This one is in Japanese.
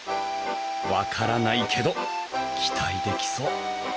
分からないけど期待できそう！